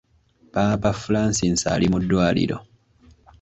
Paapa Francis ali mu ddwaliro.